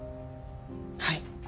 はい。